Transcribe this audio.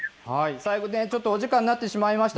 最後ね、ちょっとお時間になってしまいました。